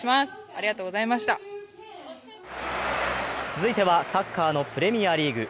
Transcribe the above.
続いてはサッカーのプレミアリーグ。